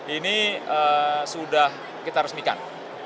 ini sudah kita resmikan